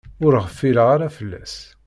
Ur ɣfileɣ ara fell-as.